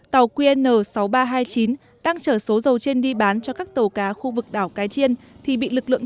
tàu qn sáu nghìn ba trăm hai mươi chín đang chở số dầu trên đi bán cho các tàu cá khu vực đảo cái chiên thì bị lực lượng